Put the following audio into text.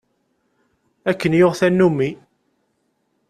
Akken yuɣ tanumi.